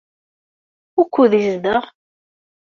Wukud yezdeɣ?